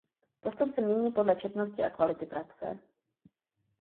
Postup se mění podle četnosti a kvality praxe.